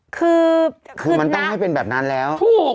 คือนะถูกคือมันต้องให้เป็นแบบนั้นแล้ว